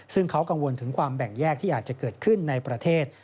ซึ่งเขากังวลถึงความแบ่งแยกที่อาจจะเกิดขึ้นในประเทศ